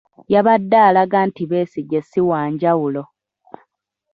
Yabadde alaga nti Besigye ssi wanjawulo.